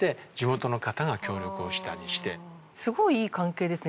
すごいいい関係ですね。